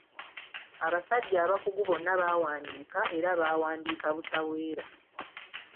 Abasajja abakugu bonna baawandiika, era baawandiika butaweera.